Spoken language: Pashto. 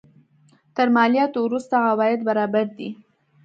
تر مالیاتو وروسته عواید برابر دي.